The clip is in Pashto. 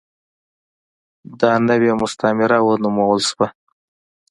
دا نوې مستعمره ونومول شوه.